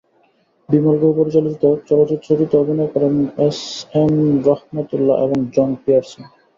বিমল গুহ পরিচালিত চলচ্চিত্রটিতে অভিনয় করেন এম এম রহমত উল্লাহ এবং জন পিয়ার্সন।